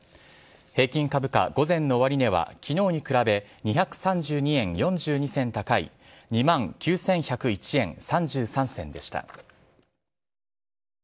平均株価午前の終値は昨日に比べ２３２円４２銭高い２万９１０１円３３銭でした。